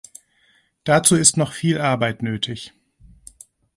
Dazu ist noch viel Arbeit nötig.